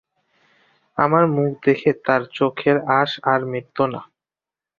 আমার মুখ দেখে তার চোখের আশ আর মিটত না।